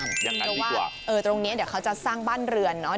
อย่างนั้นดีกว่าเออตรงนี้เดี๋ยวเขาจะสร้างบ้านเรือนเนาะ